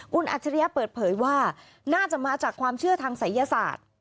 คุณอัจฉริยะเปิดเผยว่าน่าจะมาจากความเชื่อทางศัยยศาสตร์